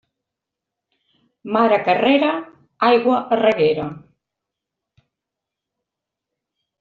Mar a carrera, aigua a reguera.